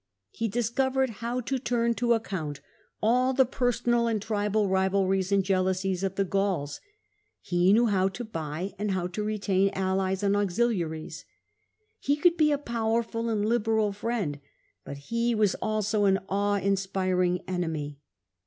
He discovered how to turn to account all the personal and tribal rivalries and jealousies of the Gauls. He knew how to buy and how to retain allies and auxiliaries. He could be a power ful and a liberal friend ; but he was also an awe inspiring enemy.